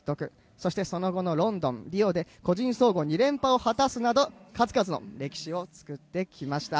そしてその後のロンドン、リオで個人総合２連覇を果たすなど数々の歴史を作ってきました。